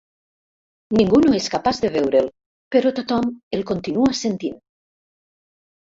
Ningú no és capaç de veure'l, però tothom el continua sentint!